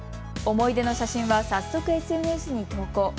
思い出の写真は早速、ＳＮＳに投稿。